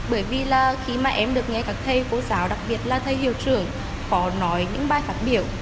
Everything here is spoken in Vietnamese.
bởi vì khi em được nghe các thầy của giáo đặc biệt là thầy hiệu trưởng có nói những bài phát biểu